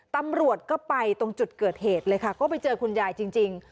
ตำรวจก็ไปตรงจุดเกิดเหตุเลยค่ะก็ไปเจอคุณยายจริง